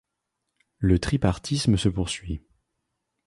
Le tripartisme se poursuit.